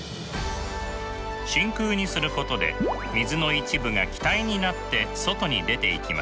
真空にすることで水の一部が気体になって外に出ていきます。